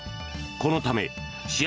このため試合